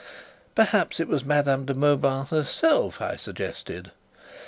"Perhaps it was Madame de Mauban herself," I suggested.